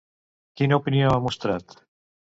Quina opinió ha mostrat?